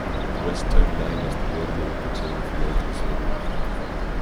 The west town line is the border with the town of Lake Luzerne.